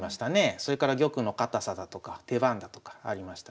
それから玉の堅さだとか手番だとかありました。